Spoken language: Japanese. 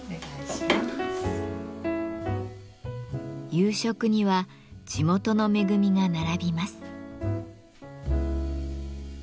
夕食には地元の恵みが並びます。